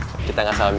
wih ada okp nih